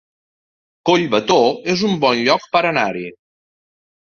Collbató es un bon lloc per anar-hi